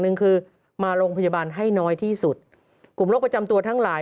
หนึ่งคือมาโรงพยาบาลให้น้อยที่สุดกลุ่มโรคประจำตัวทั้งหลาย